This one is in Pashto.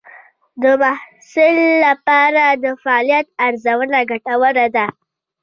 د محصل لپاره د فعالیت ارزونه ګټوره ده.